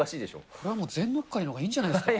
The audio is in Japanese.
これはもう、全とっかえのほうがいいんじゃないですか。